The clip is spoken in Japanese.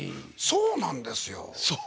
そうなんです。